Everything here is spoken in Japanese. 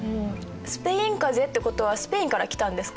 スペインかぜってことはスペインからきたんですか？